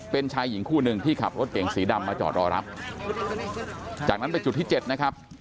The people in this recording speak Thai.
เป็นชายหญิงคู่หนึ่งที่ขับรถเก่งสีดำมาจอดรอรับจากนั้นไปจุดที่เจ็ดนะครับ